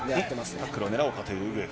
タックルを狙おうかというウグエフ。